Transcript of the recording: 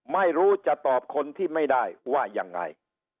ไม่รู้จะตอบคนที่ไม่ได้ว่ายังไง